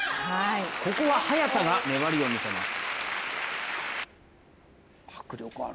ここは早田が粘りを見せます。